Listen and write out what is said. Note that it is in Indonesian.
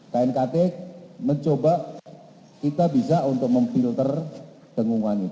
knkt mencoba kita bisa untuk memfilter dengungan itu